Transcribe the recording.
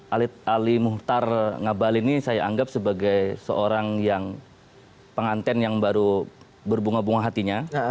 ali muhtar ngabalin ini saya anggap sebagai seorang yang penganten yang baru berbunga bunga hatinya